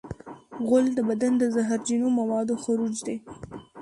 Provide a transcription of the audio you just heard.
غول د بدن د زهرجنو موادو خروج دی.